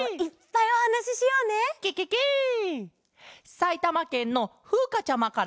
さいたまけんのふうかちゃまから。